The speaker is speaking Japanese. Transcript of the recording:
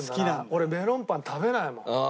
俺メロンパン食べないもん。